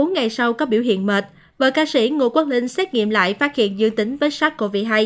bốn ngày sau có biểu hiện mệt vợ ca sĩ ngô quốc linh xét nghiệm lại phát hiện dương tính với sars cov hai